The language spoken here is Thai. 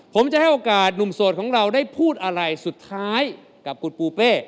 ผมจะให้โอกาสหนุ่มโสดของเราได้พูดอะไรสุดท้ายกับคุณปูเป้